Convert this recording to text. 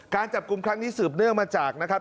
การจับกลุ่มครั้งนี้สืบเนื่องมาจากนะครับ